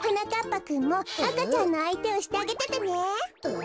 ぱくんもあかちゃんのあいてをしてあげててねえ。